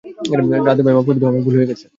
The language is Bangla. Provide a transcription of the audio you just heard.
রাধে ভাই, মাফ করে দেও, আমার ভুল হয়ে গেছে!